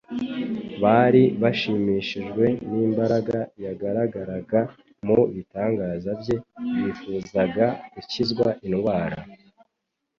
Bari bashimishijwe n'imbaraga yagaragaraga mu bitangaza bye bifuzaga gukizwa indwara